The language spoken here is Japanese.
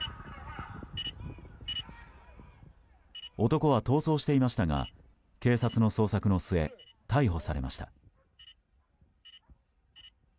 男は逃走していましたが警察の捜索の末逮捕されました。